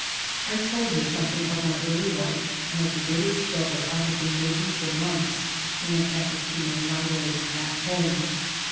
I told her something of my early life and of the bitter struggle I had been making for months in an effort to make my way back home.